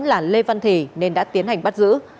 là lê văn thì nên đã tiến hành bắt giữ